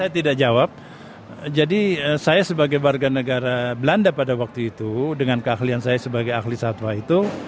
saya tidak jawab jadi saya sebagai warga negara belanda pada waktu itu dengan keahlian saya sebagai ahli satwa itu